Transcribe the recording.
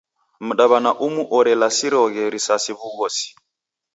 Mdaw'ana umu orelasiroghe risasi w'ugosi.